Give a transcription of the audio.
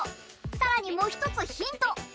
さらにもうひとつヒント！